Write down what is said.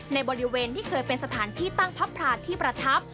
ในบริเวณที่เคยเป็นสถานที่ตั้งพระพลาที่ประทับ